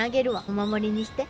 お守りにして。